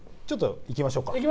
ちょっと行きましょうか。